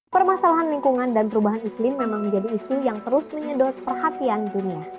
permasalahan lingkungan dan perubahan iklim memang menjadi isu yang terus menyedot perhatian dunia